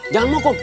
jangan mau kum